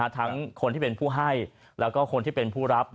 ทั้งคนที่เป็นผู้ให้แล้วก็คนที่เป็นผู้รับ